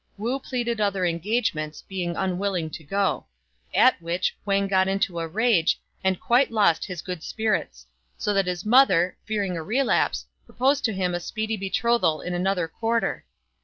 Wu pleaded other engagements, being unwilling to go ; at which Wang got in a rage and quite lost his good spirits ; so that his mother, fearing a relapse, proposed to him a speedy betrothal in another quarter.